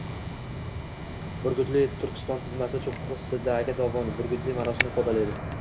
Burgutli – Turkiston tizmasi cho‘qqisidagi dovon, «burgutli» ma’nosini ifodalaydi.